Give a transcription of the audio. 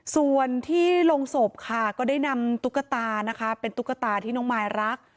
ส่วนที่โรงศพค่ะก็ได้นำตุ๊กตานะคะเป็นตุ๊กตาที่น้องมายรัก